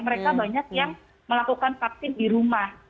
mereka banyak yang melakukan vaksin di rumah